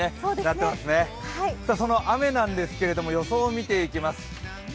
その雨なんですけども、予想を見ていきます。